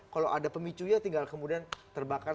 kalau ada pemicunya tinggal kemudian terbakar